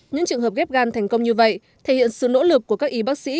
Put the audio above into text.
những trường hợp ghép gan thành công như vậy thể hiện sự nỗ lực của các y bác sĩ